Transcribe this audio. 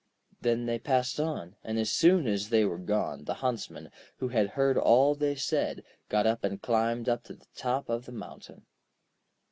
Then they passed on, and as soon as they were gone, the Huntsman, who had heard all they said, got up and climbed up to the top of the mountain.